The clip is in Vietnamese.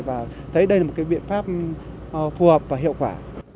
và thấy đây là một cái biện pháp phù hợp và hiệu quả